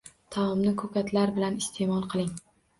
Taomni ko‘katlar bilan iste’mol qiling